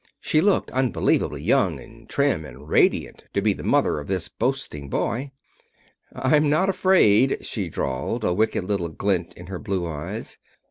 She looked unbelievably young, and trim, and radiant, to be the mother of this boasting boy. "I'm not afraid," she drawled, a wicked little glint in her blue eyes.